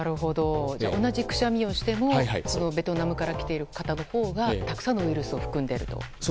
同じくしゃみをしてもベトナムから来ている型のほうがたくさんのウイルスを含んでいると。